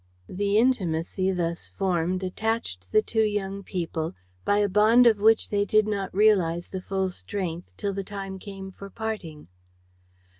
The intimacy thus formed attached the two young people by a bond of which they did not realize the full strength till the time came for parting.